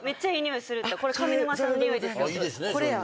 これや。